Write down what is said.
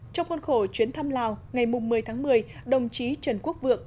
trong khuôn khổ chuyến thăm lào ngày một mươi tháng một mươi đồng chí trần quốc vượng